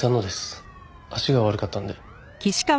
足が悪かったんで。